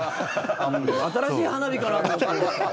新しい花火かなと思った。